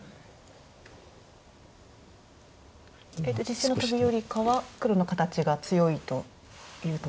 実戦のトビよりかは黒の形が強いというところですか？